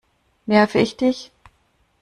Nerve ich dich?